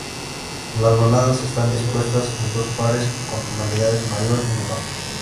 Las baladas están dispuestas en dos pares con tonalidades mayor y menor.